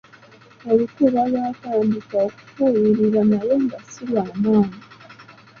Olukuba lwatandika okufuuyirira naye nga ssi lwamaanyi.